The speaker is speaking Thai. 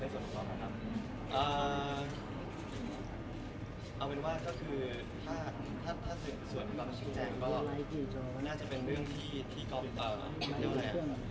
เอาเป็นว่าก็คือถ้าเศรษฐ์ส่วนที่แบบเชียงแรงก็น่าจะเป็นเรื่องที่กรอบเปล่านะเดี๋ยวเนี่ย